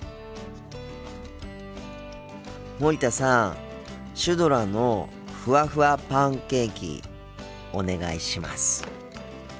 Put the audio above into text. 森田さんシュドラのふわふわパンケーキお願いします。